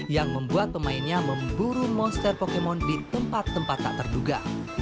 yang membuat pemainnya memburu monster pokemon di tempat tempat tak terduga